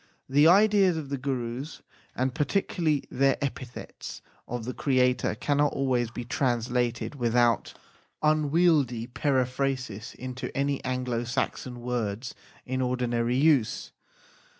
The ideas of the Gurus and particularly their epithets of the Creator cannot always be translated without PREFACE xxxi unwieldy periphrasis into any Anglo Saxon words in ordinary use.